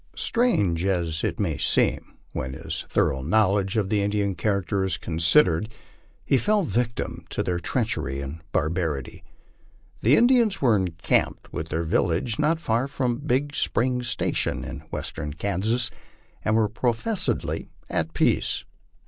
Strange as it may seem, when his thor ough knowledge of the Indian character is considered, he fell a victim to their treachery and barbarity. The Indians were encamped with their village not far from Big Spring station, in western Kansas, and were professedly at peace.